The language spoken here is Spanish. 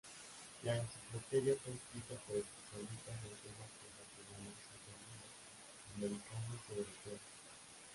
La enciclopedia fue escrita por especialistas en temas profesionales israelíes, americanos y europeos.